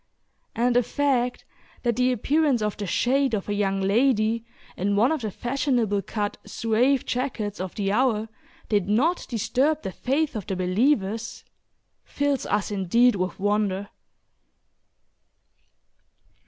and the fact that the appearance of "the shade" of a young lady in one of the fashionable cut Zouave jackets of the hour did not disturb the faith of the believers, fills us indeed with wonder.